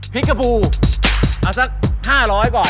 พิกาบูเอาสัก๕๐๐ก่อน